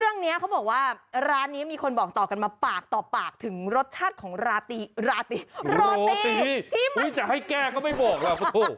เรื่องนี้เขาบอกว่าร้านนี้มีคนบอกต่อกันมาปากต่อปากถึงรสชาติของราตรีโรตีจะให้แก้ก็ไม่บอกล่ะ